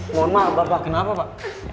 mohon maaf bapak kenapa pak